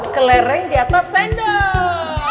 ke lereng di atas sendok